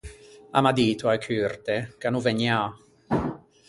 A m’à dito, a-e curte, ch’a no vegnià.